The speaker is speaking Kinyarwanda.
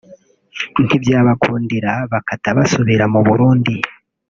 ntibyabakundira bakata basubira mu Burundi